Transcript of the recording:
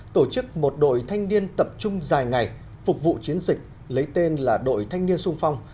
tổ chức một đội thanh niên tập trung dài ngày phục vụ chiến dịch lấy tên là đội thanh niên sung phong